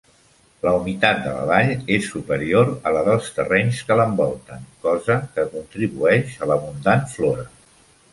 La humitat de la vall és superior a la dels terrenys que l'envolten, cosa que contribueix a l'abundant flora.